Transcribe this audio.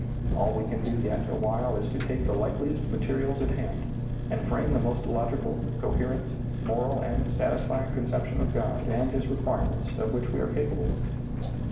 All we can do yet a while is to take the likeliest materials at hand, and frame the most logical, coherent, moral, and satisfying con ception of God and His requirements of which we are capable.